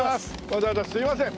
わざわざすみません。